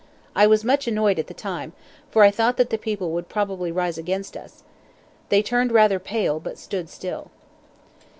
I was much annoyed at the time, for I thought that the people would probably rise against us. They turned rather pale, but stood still.